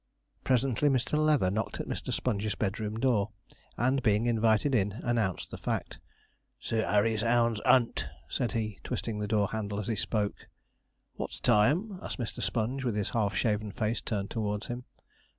Presently Mr. Leather knocked at Mr. Sponge's bedroom door, and, being invited in, announced the fact. 'Sir 'Arry's 'ounds 'unt,' said he, twisting the door handle as he spoke. 'What time?' asked Mr. Sponge, with his half shaven face turned towards him.